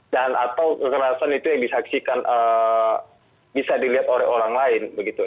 dan atau kekerasan itu yang disaksikan bisa dilihat oleh orang lain begitu